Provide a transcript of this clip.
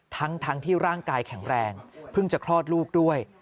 ทั้งที่ร่างกายแข็งแรงเพิ่งจะคลอดลูกด้วย